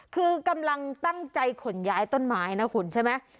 คือกำลังตั้งใจขนย้ายต้นไม้นะคุณใช่ไหม